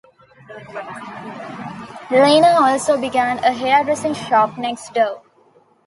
Lena also began a hairdressing shop next door.